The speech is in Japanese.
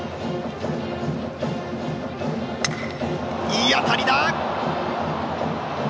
いい当たりだ！